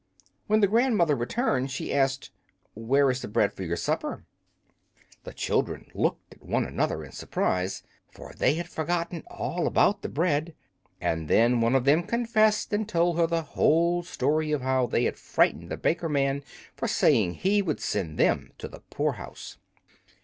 When the grandmother returned she asked, "Where is the bread for your supper?" The children looked at one another in surprise, for they had forgotten all about the bread. And then one of them confessed, and told her the whole story of how they had frightened the baker man for saying he would send them to the poor house.